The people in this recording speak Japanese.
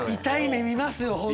痛い目見ますよ